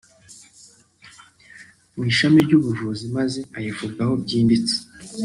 mu Ishami ry’Ubuvuzi maze ayivugaho byimbitse